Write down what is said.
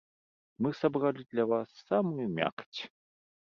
Мы сабралі для вас самую мякаць.